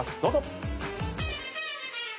どうぞ。